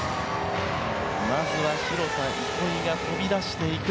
まずは廣田憩が飛び出していく。